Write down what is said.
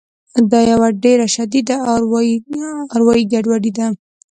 دا یوه ډېره شدیده اروایي ګډوډي ده